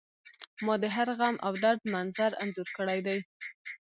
ما د هر غم او درد منظر انځور کړی دی